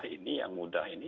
ini yang mudah ini